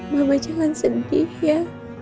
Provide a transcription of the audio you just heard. mama jangan sedih ya